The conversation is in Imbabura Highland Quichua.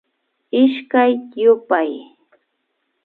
Ishkay yupay